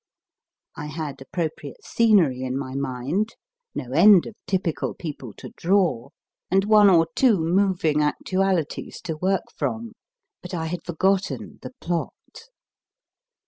I had appropriate scenery in my mind, no end of typical people to draw, and one or two moving actualities to work from. But I had forgotten the plot.